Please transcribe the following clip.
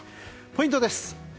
ポイントです。